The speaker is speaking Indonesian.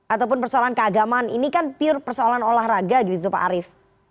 ataupun persoalan keagamaan ini kan pure persoalan olahraga gitu pak arief